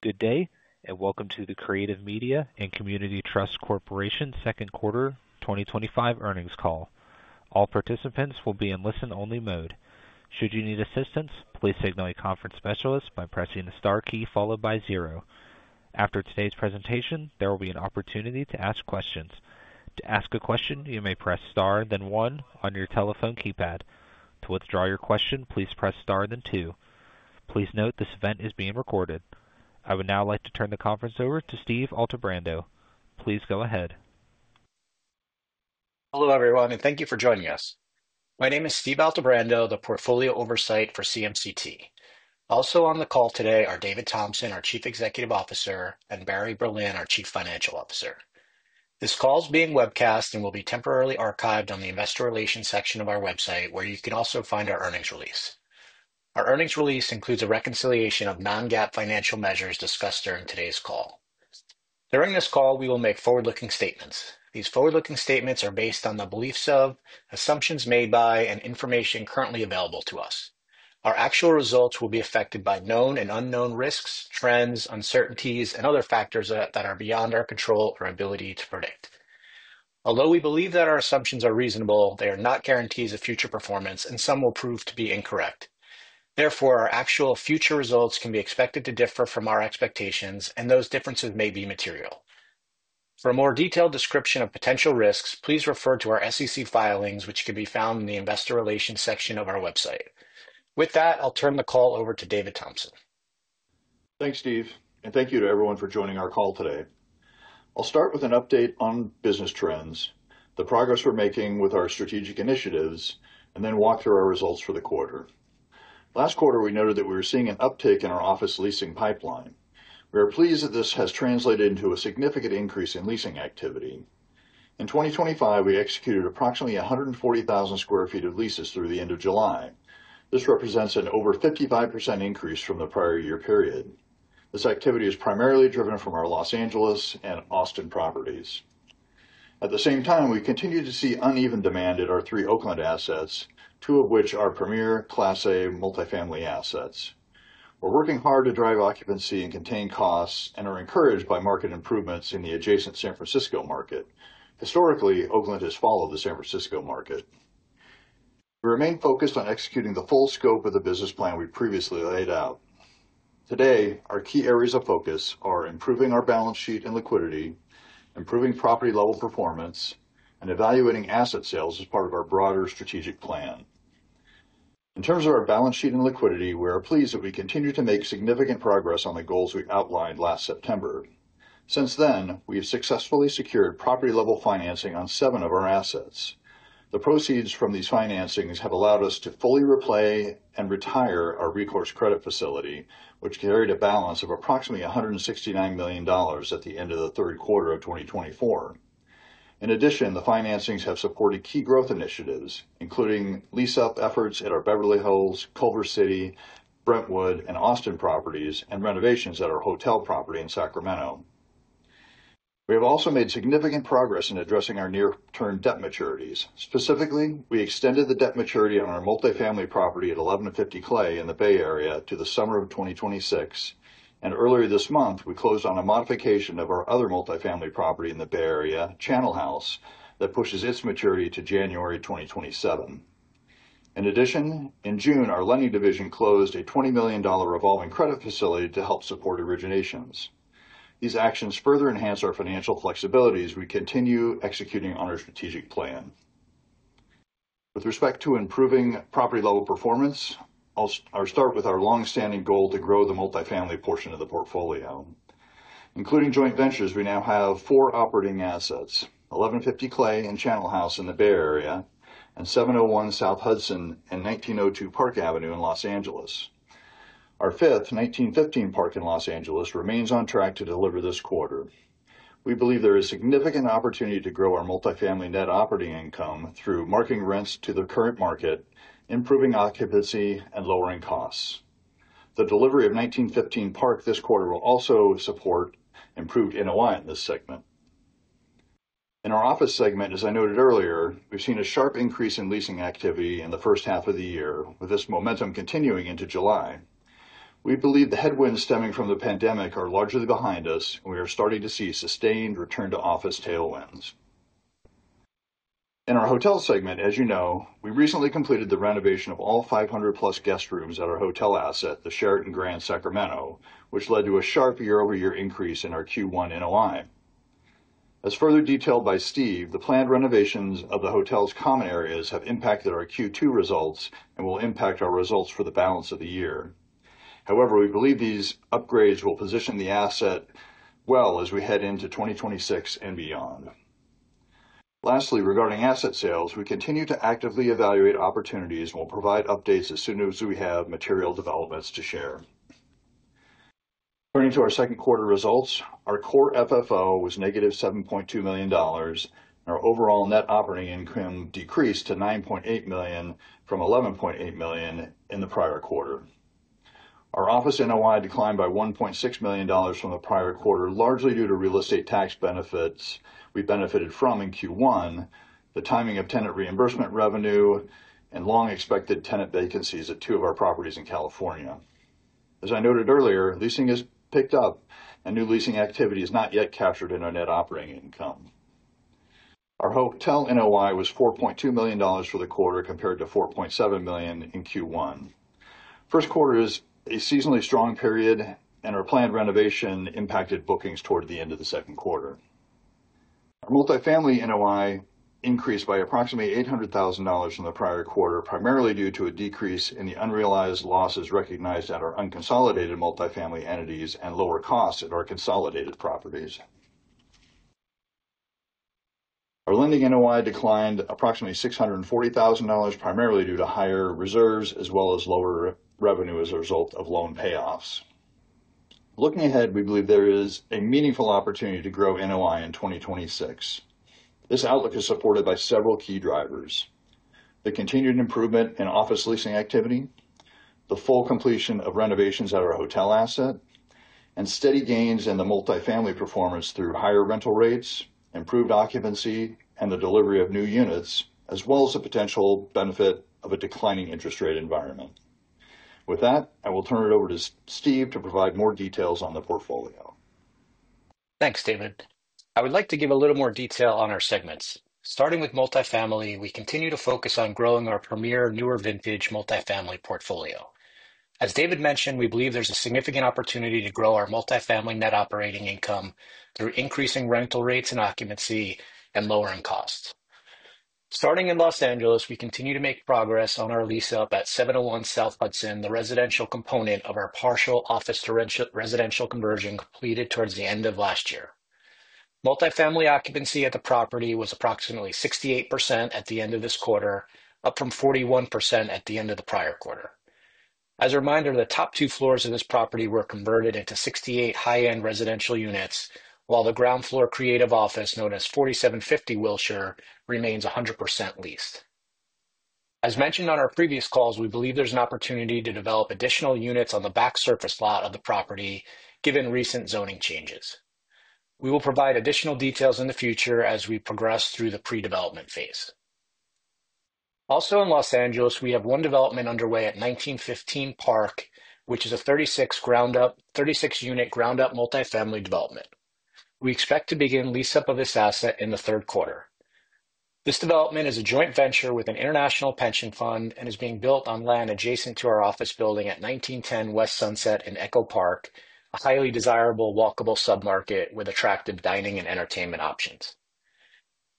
Good day, and welcome to the Creative Media & Community Trust Corporation's Second Quarter 2025 Earnings Call. All participants will be in listen-only mode. Should you need assistance, please signal a conference specialist by pressing the star key followed by zero. After today's presentation, there will be an opportunity to ask questions. To ask a question, you may press star and then one on your telephone keypad. To withdraw your question, please press star and then two. Please note this event is being recorded. I would now like to turn the conference over to Steve Altebrando. Please go ahead. Hello, everyone, and thank you for joining us. My name is Steve Altebrando, the Portfolio Oversight for CMCT. Also on the call today are David Thompson, our Chief Executive Officer, and Barry Berlin, our Chief Financial Officer. This call is being webcast and will be temporarily archived on the Investor Relations section of our website, where you can also find our earnings release. Our earnings release includes a reconciliation of non-GAAP financial measures discussed during today's call. During this call, we will make forward-looking statements. These forward-looking statements are based on the beliefs of, assumptions made by, and information currently available to us. Our actual results will be affected by known and unknown risks, trends, uncertainties, and other factors that are beyond our control or ability to predict. Although we believe that our assumptions are reasonable, they are not guarantees of future performance, and some will prove to be incorrect. Therefore, our actual future results can be expected to differ from our expectations, and those differences may be material. For a more detailed description of potential risks, please refer to our SEC filings, which can be found in the Investor Relations section of our website. With that, I'll turn the call over to David Thompson. Thanks, Steve, and thank you to everyone for joining our call today. I'll start with an update on business trends, the progress we're making with our strategic initiatives, and then walk through our results for the quarter. Last quarter, we noted that we were seeing an uptick in our office leasing pipeline. We are pleased that this has translated into a significant increase in leasing activity. In 2025, we executed approximately 140,000 sq ft of leases through the end of July. This represents an over 55% increase from the prior year period. This activity is primarily driven from our Los Angeles and Austin properties. At the same time, we continue to see uneven demand in our three Oakland assets, two of which are premier Class A multifamily assets. We're working hard to drive occupancy and contain costs and are encouraged by market improvements in the adjacent San Francisco market. Historically, Oakland has followed the San Francisco market. We remain focused on executing the full scope of the business plan we previously laid out. Today, our key areas of focus are improving our balance sheet and liquidity, improving property-level performance, and evaluating asset sales as part of our broader strategic plan. In terms of our balance sheet and liquidity, we are pleased that we continue to make significant progress on the goals we outlined last September. Since then, we have successfully secured property-level financing on seven of our assets. The proceeds from these financings have allowed us to fully repay and retire our recourse credit facility, which carried a balance of approximately $169 million at the end of the third quarter of 2024. In addition, the financings have supported key growth initiatives, including lease-up efforts at our Beverly Hills, Culver City, Brentwood, and Austin properties, and renovations at our hotel property in Sacramento. We have also made significant progress in addressing our near-term debt maturities. Specifically, we extended the debt maturity on our multifamily property at 1150 Clay in the Bay Area to the summer of 2026, and earlier this month, we closed on a modification of our other multifamily property in the Bay Area, Channel House, that pushes its maturity to January 2027. In addition, in June, our lending division closed a $20 million revolving credit facility to help support originations. These actions further enhance our financial flexibility as we continue executing on our strategic plan. With respect to improving property-level performance, I'll start with our longstanding goal to grow the multifamily portion of the portfolio. Including joint ventures, we now have four operating assets: 1150 Clay and Channel House in the Bay Area, and 701 South Hudson and 1902 Park Avenue in Los Angeles. Our fifth, 1915 Park in Los Angeles, remains on track to deliver this quarter. We believe there is significant opportunity to grow our multifamily net operating income through marking rents to the current market, improving occupancy, and lowering costs. The delivery of 1915 Park this quarter will also support improved NOI in this segment. In our office segment, as I noted earlier, we've seen a sharp increase in leasing activity in the first half of the year, with this momentum continuing into July. We believe the headwinds stemming from the pandemic are largely behind us, and we are starting to see sustained return to office tailwinds. In our hotel segment, as you know, we recently completed the renovation of all 500+ guest rooms at our hotel asset, the Sheraton Grand Sacramento, which led to a sharp year-over-year increase in our Q1 NOI. As further detailed by Steve, the planned renovations of the hotel's common areas have impacted our Q2 results and will impact our results for the balance of the year. However, we believe these upgrades will position the asset well as we head into 2026 and beyond. Lastly, regarding asset sales, we continue to actively evaluate opportunities and will provide updates as soon as we have material developments to share. Turning to our second quarter results, our core FFO was -$7.2 million, and our overall net operating income decreased to $9.8 million from $11.8 million in the prior quarter. Our office NOI declined by $1.6 million from the prior quarter, largely due to real estate tax benefits we benefited from in Q1, the timing of tenant reimbursement revenue, and long-expected tenant vacancies at two of our properties in California. As I noted earlier, leasing has picked up, and new leasing activity is not yet captured in our net operating income. Our hotel NOI was $4.2 million for the quarter compared to $4.7 million in Q1. The first quarter is a seasonally strong period, and our planned renovation impacted bookings toward the end of the second quarter. Multifamily NOI increased by approximately $800,000 from the prior quarter, primarily due to a decrease in the unrealized losses recognized at our unconsolidated multifamily entities and lower costs at our consolidated properties. Our lending NOI declined approximately $640,000, primarily due to higher reserves as well as lower revenue as a result of loan payoffs. Looking ahead, we believe there is a meaningful opportunity to grow NOI in 2026. This outlook is supported by several key drivers: the continued improvement in office leasing activity, the full completion of renovations at our hotel asset, and steady gains in the multifamily performance through higher rental rates, improved occupancy, and the delivery of new units, as well as the potential benefit of a declining interest rate environment. With that, I will turn it over to Steve to provide more details on the portfolio. Thanks, David. I would like to give a little more detail on our segments. Starting with multifamily, we continue to focus on growing our premier newer vintage multifamily portfolio. As David mentioned, we believe there's a significant opportunity to grow our multifamily net operating income through increasing rental rates and occupancy and lowering costs. Starting in Los Angeles, we continue to make progress on our lease-up at 701 South Hudson, the residential component of our partial office-to-residential conversion completed towards the end of last year. Multifamily occupancy at the property was approximately 68% at the end of this quarter, up from 41% at the end of the prior quarter. As a reminder, the top two floors of this property were converted into 68 high-end residential units, while the ground floor creative office known as 4750 Wilshire remains 100% leased. As mentioned on our previous calls, we believe there's an opportunity to develop additional units on the back surface lot of the property, given recent zoning changes. We will provide additional details in the future as we progress through the pre-development phase. Also in Los Angeles, we have one development underway at 1915 Park, which is a 36-unit ground-up multifamily development. We expect to begin lease-up of this asset in the third quarter. This development is a joint venture with an international pension fund and is being built on land adjacent to our office building at 1910 West Sunset and Echo Park, a highly desirable walkable submarket with attractive dining and entertainment options.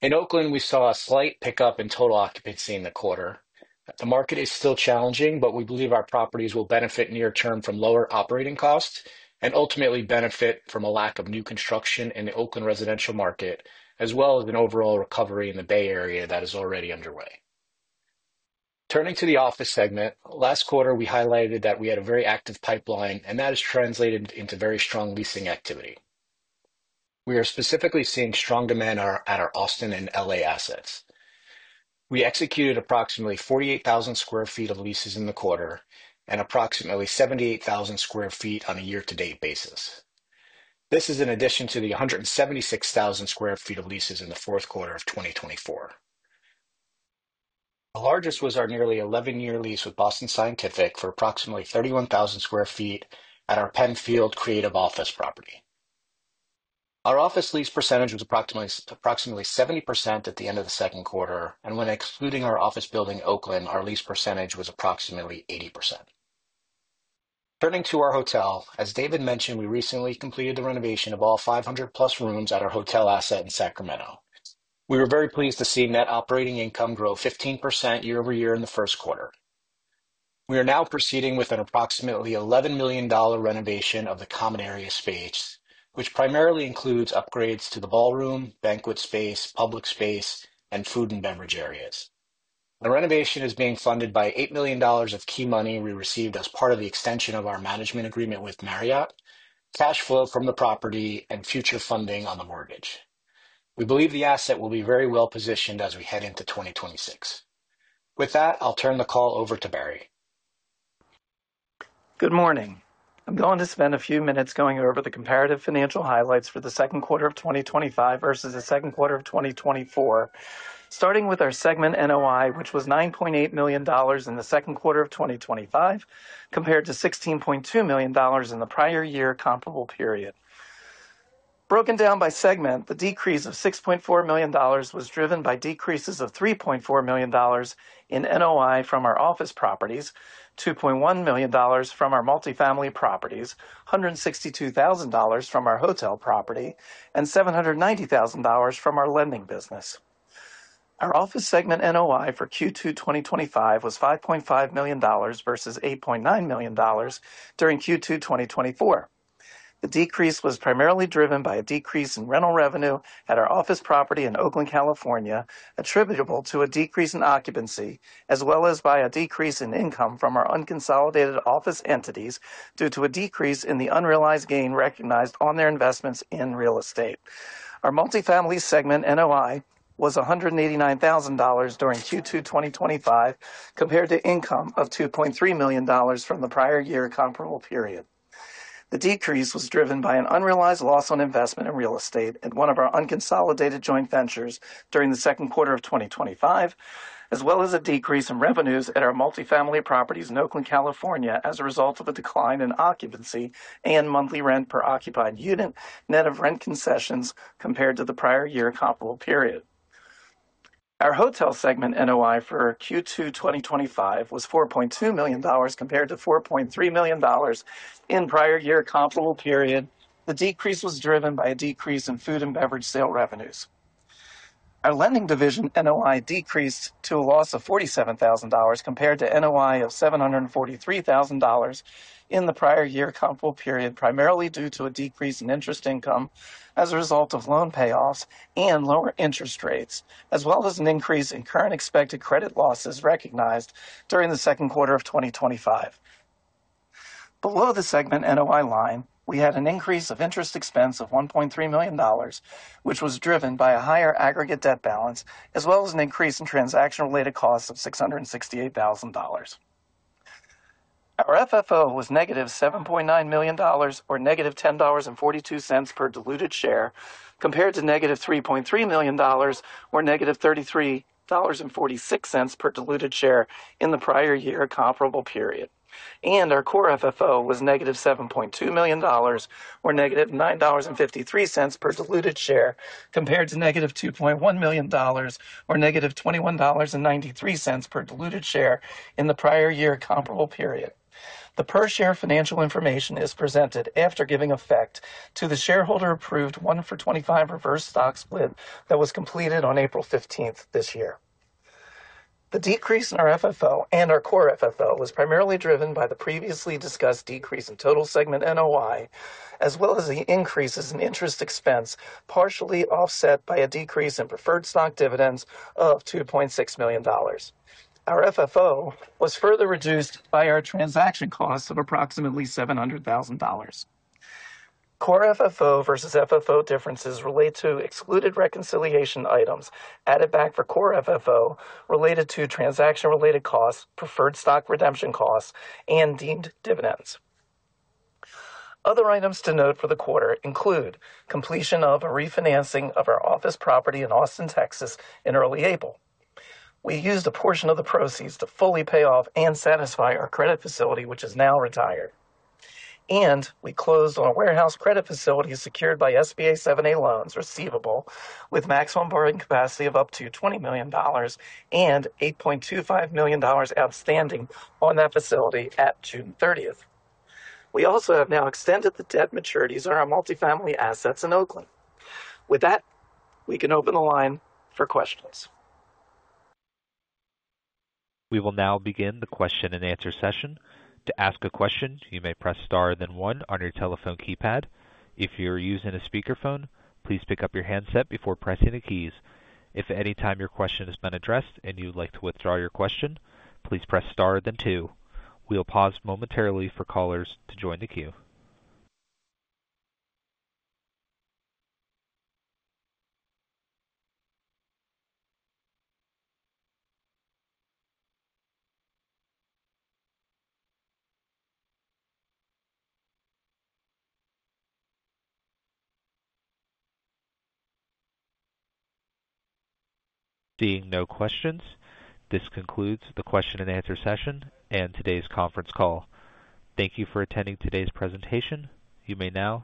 In Oakland, we saw a slight pickup in total occupancy in the quarter. The market is still challenging, but we believe our properties will benefit near-term from lower operating costs and ultimately benefit from a lack of new construction in the Oakland residential market, as well as an overall recovery in the Bay Area that is already underway. Turning to the office segment, last quarter we highlighted that we had a very active pipeline, and that has translated into very strong leasing activity. We are specifically seeing strong demand at our Austin and L.A. assets. We executed approximately 48,000 sq ft of leases in the quarter and approximately 78,000 sq ft on a year-to-date basis. This is in addition to the 176,000 sq ft of leases in the fourth quarter of 2024. The largest was our nearly 11-year lease with Boston Scientific for approximately 31,000 sq ft at our Pennfield Creative Office property. Our office lease percentage was approximately 70% at the end of the second quarter, and when excluding our office building in Oakland, our lease percentage was approximately 80%. Turning to our hotel, as David mentioned, we recently completed the renovation of all 500+ rooms at our hotel asset in Sacramento. We were very pleased to see net operating income grow 15% year over year in the first quarter. We are now proceeding with an approximately $11 million renovation of the common area space, which primarily includes upgrades to the ballroom, banquet space, public space, and food and beverage areas. The renovation is being funded by $8 million of key money we received as part of the extension of our management agreement with Marriott, cash flow from the property, and future funding on the mortgage. We believe the asset will be very well positioned as we head into 2026. With that, I'll turn the call over to Barry. Good morning. I'm going to spend a few minutes going over the comparative financial highlights for the second quarter of 2025 versus the second quarter of 2024. Starting with our segment NOI, which was $9.8 million in the second quarter of 2025, compared to $16.2 million in the prior year comparable period. Broken down by segment, the decrease of $6.4 million was driven by decreases of $3.4 million in NOI from our office properties, $2.1 million from our multifamily properties, $162,000 from our hotel property, and $790,000 from our lending business. Our office segment NOI for Q2 2025 was $5.5 million versus $8.9 million during Q2 2024. The decrease was primarily driven by a decrease in rental revenue at our office property in Oakland, California, attributable to a decrease in occupancy, as well as by a decrease in income from our unconsolidated office entities due to a decrease in the unrealized gain recognized on their investments in real estate. Our multifamily segment NOI was $189,000 during Q2 2025, compared to income of $2.3 million from the prior year comparable period. The decrease was driven by an unrealized loss on investment in real estate at one of our unconsolidated joint ventures during the second quarter of 2025, as well as a decrease in revenues at our multifamily properties in Oakland, California, as a result of a decline in occupancy and monthly rent per occupied unit net of rent concessions compared to the prior year comparable period. Our hotel segment NOI for Q2 2025 was $4.2 million compared to $4.3 million in the prior year comparable period. The decrease was driven by a decrease in food and beverage sale revenues. Our lending division NOI decreased to a loss of $47,000 compared to NOI of $743,000 in the prior year comparable period, primarily due to a decrease in interest income as a result of loan payoffs and lower interest rates, as well as an increase in current expected credit losses recognized during the second quarter of 2025. Below the segment NOI line, we had an increase of interest expense of $1.3 million, which was driven by a higher aggregate debt balance, as well as an increase in transaction-related costs of $668,000. Our FFO was -$7.9 million or -$10.42 per diluted share, compared to -$3.3 million or -$33.46 per diluted share in the prior year comparable period. Our core FFO was -$7.2 million or -$9.53 per diluted share, compared to -$2.1 million or -$21.93 per diluted share in the prior year comparable period. The per share financial information is presented after giving effect to the shareholder-approved one-for-25 reverse stock split that was completed on April 15th, this year. The decrease in our FFO and our core FFO was primarily driven by the previously discussed decrease in total segment NOI, as well as the increases in interest expense, partially offset by a decrease in preferred stock dividends of $2.6 million. Our FFO was further reduced by our transaction costs of approximately $700,000. Core FFO versus FFO differences relate to excluded reconciliation items added back for core FFO related to transaction-related costs, preferred stock redemption costs, and deemed dividends. Other items to note for the quarter include completion of a refinancing of our office property in Austin, Texas, in early April. We used a portion of the proceeds to fully pay off and satisfy our credit facility, which is now retired. We closed on a warehouse credit facility secured by SBA 7A loans receivable with maximum borrowing capacity of up to $20 million and $8.25 million outstanding on that facility at June 30th. We also have now extended the debt maturities on our multifamily assets in Oakland. With that, we can open the line for questions. We will now begin the question and answer session. To ask a question, you may press star and then one on your telephone keypad. If you are using a speakerphone, please pick up your handset before pressing the keys. If at any time your question has been addressed and you would like to withdraw your question, please press star and then two. We will pause momentarily for callers to join the queue. Seeing no questions, this concludes the question and answer session and today's conference call. Thank you for attending today's presentation. You may now disconnect.